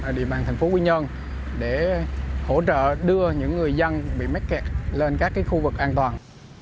địa bàn thành phố quy nhơn để hỗ trợ đưa những người dân bị mắc kẹt lên các khu vực an toàn